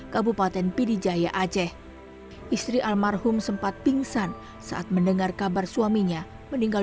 kabupaten pidijaya aceh istri almarhum sempat pingsan saat mendengar kabar suaminya meninggal